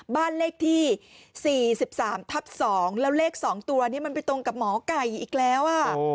บ้านเลขที่๔๓ทับ๒แล้วเลข๒ตัวนี้มันไปตรงกับหมอไก่อีกแล้ว